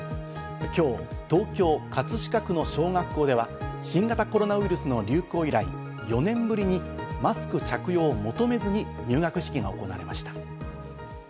今日、東京・葛飾区の小学校では新型コロナウイルスの流行以来、４年ぶりにマスク着用を求めずに入学式が行われました。